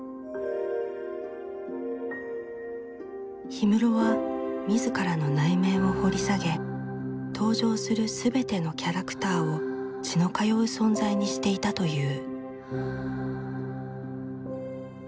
氷室は自らの内面を掘り下げ登場する全てのキャラクターを血の通う存在にしていたという。